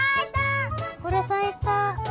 これさいた。